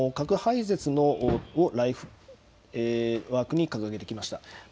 核廃絶をライフワークに掲げてきました。